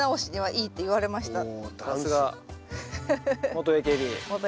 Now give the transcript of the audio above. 元ＡＫＢ